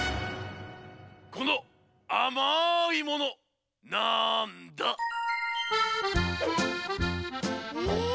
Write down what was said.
このあまいものなんだ？えっ！？